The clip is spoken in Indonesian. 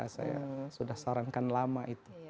saya sudah sarankan lama itu